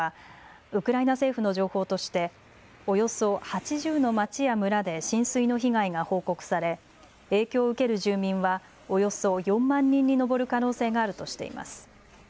ウクライナ政府の情報としておよそ８０の町や村で浸水の被害が報告され影響を受ける住民はおよそ４万人に上る可能性があるとしています。